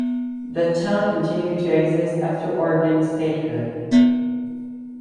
The town continued to exist after Oregon statehood.